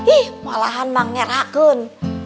ih malahan menggerakkan